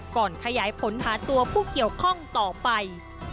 ขยายผลหาตัวผู้เกี่ยวข้องต่อไป